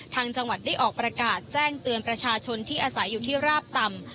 จังหวัดได้ออกประกาศแจ้งเตือนประชาชนที่อาศัยอยู่ที่ราบต่ำ